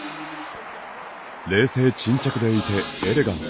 冷静沈着でいて、エレガント。